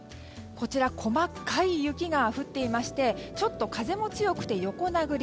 こちら細かい雪が降っていましてちょっと風も強くて横殴り。